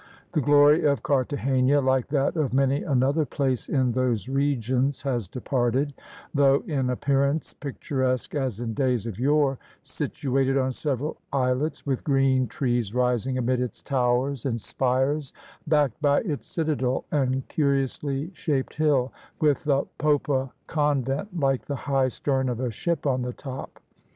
The glory of Carthagena, like that of many another place in those regions, has departed, though in appearance picturesque as in days of yore, situated on several islets, with green trees rising amid its towers and spires backed by its citadel and curiously shaped hill, with the Popa convent like the high stern of a ship on the top.